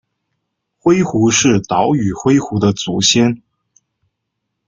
灰狐是岛屿灰狐的祖先。